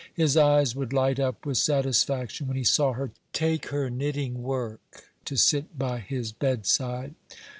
His eyes would light up with satisfaction when he saw her take her knitting work to sit by his bedside.